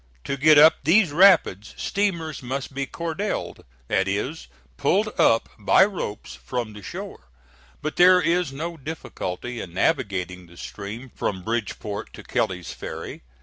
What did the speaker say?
To get up these rapids, steamers must be cordelled; that is, pulled up by ropes from the shore. But there is no difficulty in navigating the stream from Bridgeport to Kelly's Ferry.